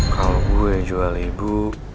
kalau gue jual ibu